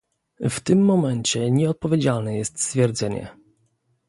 W tym momencie nieodpowiedzialne jest stwierdzenie